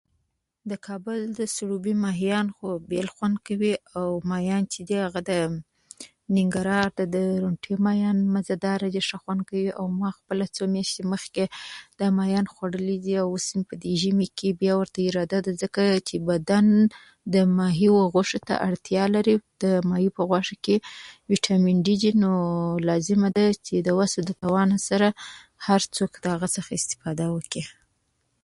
د کابل د سروبي ماهيان خو بيل خوند کوي، او ماهيان چې دي هغه د ننګراهار د ډرونټې ماهيان مزيداره دي، ښه خوند کوي. او ما خپله څو مياشتې مخکې دا ماهيان خوړلي دي او اوس مې په دې ژمي کې بيا ورته اراده ده. ځکه چې بدن د ماهيو غوښې ته اړتيا لري. د ماهي په غوښه کې وټامن ډي دي نو لازمه ده چې د وسه د توان سره هر څوک د هغه څخه استفاده وکړي.